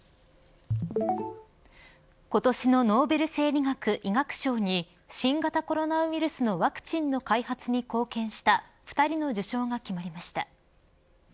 今年のノーベル生理学・医学賞に新型コロナウイルスのワクチンの開発に貢献した２人の受章が決まりました。